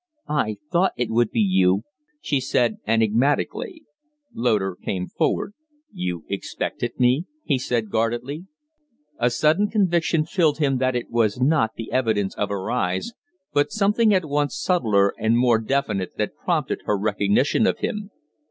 "I thought it would be you," she said, enigmatically. Loder came forward. "You expected me?" he said, guardedly. A sudden conviction filled him that it was not the evidence of her eyes, but something at once subtler and more definite, that prompted her recognition of him.